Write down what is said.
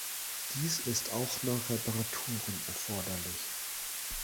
Dies ist auch nach Reparaturen erforderlich.